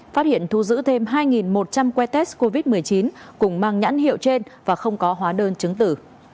phát hiện thu giữ thêm hai một trăm linh que test covid một mươi chín cùng mang nhãn hiệu trên và không có hóa đơn chứng tử